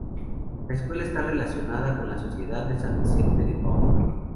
La escuela está relacionada con la Sociedad de San Vicente de Paúl.